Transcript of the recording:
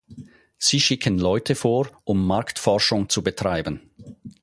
Sie schicken Leute vor, um Marktforschung zu betreiben.